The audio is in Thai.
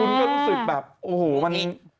คุณก็รู้สึกแบบโอ้โหมัน